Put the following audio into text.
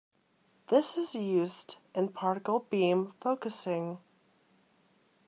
This is used in particle beam focusing.